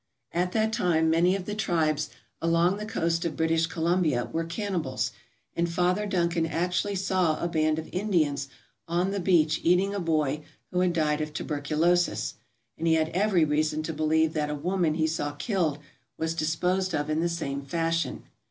At that time many of the tribes along the coast of British Columbia were cannibals and Father Duncan actually saw a band of Indians on the beach eating a boy who had died of tuberculosis, and he had every reason to believe that a woman he saw killed was disposed of in the same fashion.